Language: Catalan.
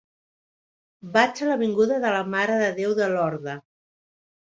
Vaig a l'avinguda de la Mare de Déu de Lorda.